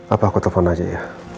apa aku telepon aja ya